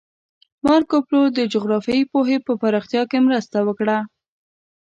مارکوپولو د جغرافیایي پوهې په پراختیا کې مرسته وکړه.